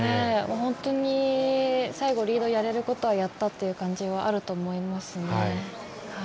本当に最後リード、やれることはやったという感じがあると思いますね。